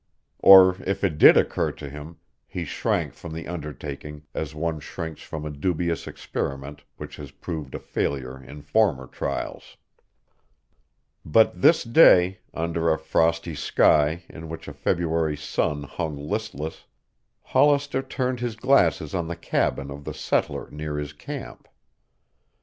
Or if it did occur to him he shrank from the undertaking as one shrinks from a dubious experiment which has proved a failure in former trials. But this day, under a frosty sky in which a February sun hung listless, Hollister turned his glasses on the cabin of the settler near his camp.